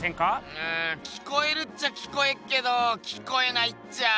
うん聞こえるっちゃ聞こえっけど聞こえないっちゃ。